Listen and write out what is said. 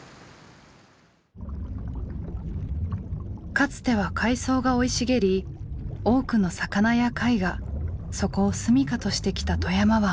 かつては海藻が生い茂り多くの魚や貝がそこを住みかとしてきた富山湾。